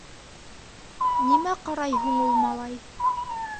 Нимә ҡарай һуң малай?